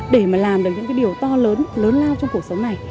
để mà làm được những cái điều to lớn lớn lao trong cuộc sống này